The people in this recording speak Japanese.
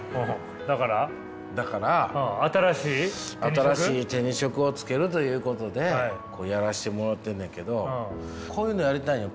新しい手に職をつけるということでやらしてもろうてんねんけどこういうのやりたいんよ。